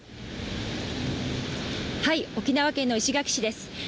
沖縄県の石垣市です。